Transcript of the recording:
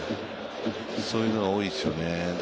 そういうのが多いですよね。